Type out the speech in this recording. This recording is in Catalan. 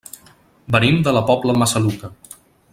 Venim de la Pobla de Massaluca.